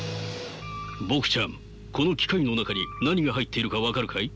僕ちゃんこの機械の中に何が入っているか分かるかい？